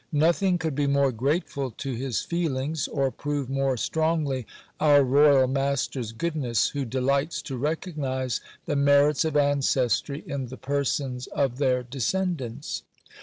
Nothing could be more grateful to his feelings, or prove more strongly our royal master's goodness, who delights to recognize the merits of ancestry in the persons of their descendants.